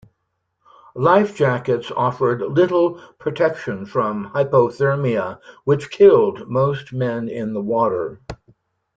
Life jackets offered little protection from hypothermia, which killed most men in the water.